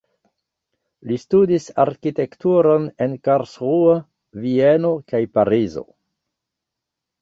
Li studis arkitekturon en Karlsruhe, Vieno kaj Parizo.